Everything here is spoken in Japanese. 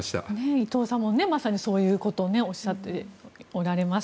伊藤さんもまさにそういうことをおっしゃっておられます。